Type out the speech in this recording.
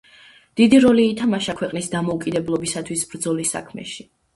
დიდი როლი ითამაშა ქვეყნის დამოუკიდებლობისათვის ბრძოლის საქმეში.